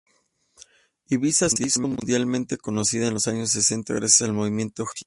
Ibiza se hizo mundialmente conocida en los años sesenta, gracias al movimiento hippie.